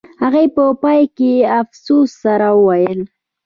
هغې په پای کې د افسوس سره وویل